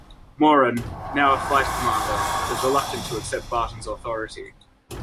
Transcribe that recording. Moran, now a flight commander, is reluctant to accept Barton's authority.